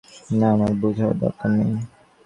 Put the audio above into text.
না, আমার বুঝার দরকার নেই।